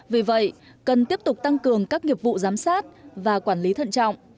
vì vậy cần tiếp tục tăng cường các nghiệp vụ giám sát và quản lý thận trọng